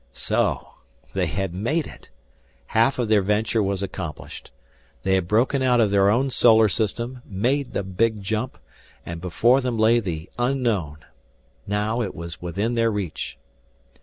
So, they had made it half of their venture was accomplished. They had broken out of their own solar system, made the big jump, and before them lay the unknown. Now it was within their reach.